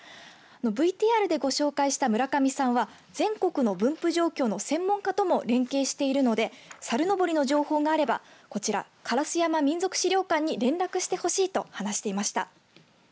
ＶＴＲでご紹介した村上さんは全国の分布状況の専門家とも連携しているので猿のぼりの情報があればこちら烏山民俗資料館に連絡してほしいと話していました。